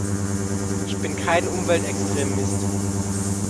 Ich bin kein Umweltextremist.